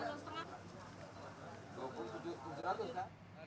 kedua kejali ini hampir satu lima km